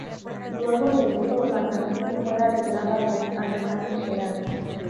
Luego de esto, la canción fue arreglada por Alejandro Terán.